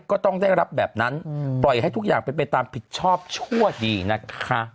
ก็ต้องได้รับแบบนั้นปล่อยให้ทุกอย่างเป็นไปตามผิดชอบชั่วดีนะคะ